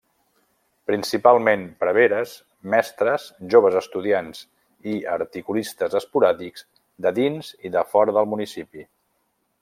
Principalment, preveres, mestres, joves estudiants i articulistes esporàdics de dins i de fora del municipi.